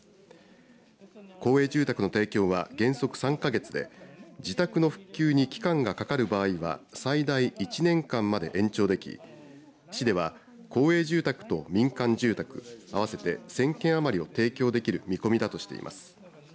公営住宅の提供は原則３か月で自宅の復旧に期間がかかる場合は最大１年間まで延長でき市では公営住宅と民間住宅合わせて１０００軒余りを提供できる見込みだとしています。